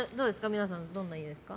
皆さんどんな家ですか？